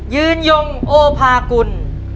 ยืนยงโอภากุล